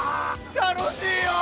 楽しいよ！